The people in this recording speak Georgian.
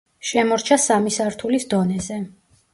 შემორჩა სამი სართულის დონეზე.